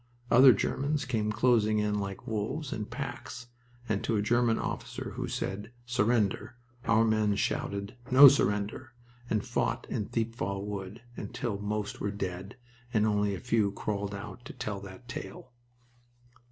Other Germans came closing in like wolves, in packs, and to a German officer who said, "Surrender!" our men shouted, "No surrender!" and fought in Thiepval Wood until most were dead and only a few wounded crawled out to tell that tale.